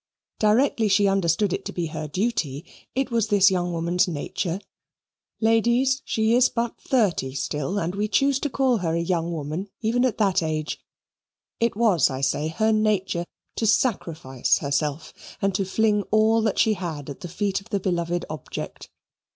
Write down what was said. Directly she understood it to be her duty, it was this young woman's nature (ladies, she is but thirty still, and we choose to call her a young woman even at that age) it was, I say, her nature to sacrifice herself and to fling all that she had at the feet of the beloved object.